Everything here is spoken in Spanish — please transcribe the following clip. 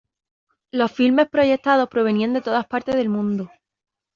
Los filmes proyectados provenían de todas partes del mundo.